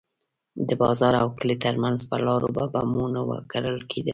د بازار او کلي ترمنځ پر لارو به بمونه کرل کېدل.